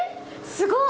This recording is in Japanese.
すごい！